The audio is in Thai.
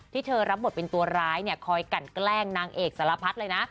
ที่เธอรับบทเป็นตัวร้ายเนี่ยคอยกันแกล้งนางเอกสารพัดเลยนะ